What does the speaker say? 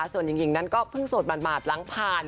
ส่วนหญิงนั้นก็เพิ่งโสดหมาดหลังผ่าน